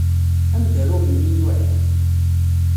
Ad am-d-aruɣ melmi ay uɛiɣ.